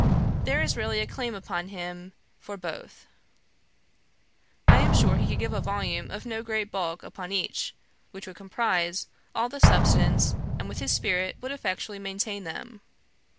There is really a claim upon him for both. I am sure he could give a volume of no great bulk upon each, which would comprise all the substance, and with his spirit would effectually maintain them.